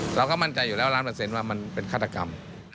เราก็มั่นใจอยู่แล้วล้านเปอร์เซ็นต์ว่ามันเป็นฆาตกรรม